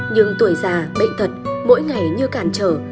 nhưng tuổi già bệnh thật mỗi ngày như cản trở